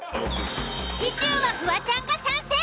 次週はフワちゃんが参戦。